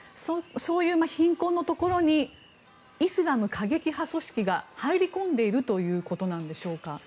そういう貧困のところにイスラム過激派組織が入り込んでいるということなんでしょうか。